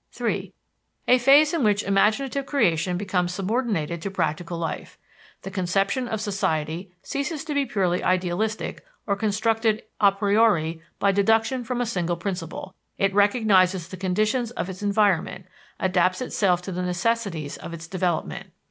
(3) A phase in which imaginative creation becomes subordinated to practical life: The conception of society ceases to be purely idealistic or constructed a priori by deduction from a single principle; it recognizes the conditions of its environment, adapts itself to the necessities of its development.